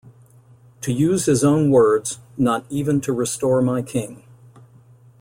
To use his own words, "not even to restore my king.